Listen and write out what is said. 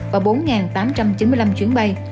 tám tám mươi bốn và bốn tám trăm chín mươi năm chuyến bay